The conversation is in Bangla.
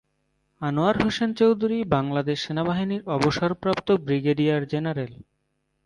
আনোয়ার হোসেন চৌধুরী বাংলাদেশ সেনাবাহিনীর অবসরপ্রাপ্ত ব্রিগেডিয়ার জেনারেল।